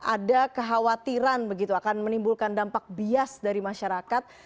ada kekhawatiran begitu akan menimbulkan dampak bias dari masyarakat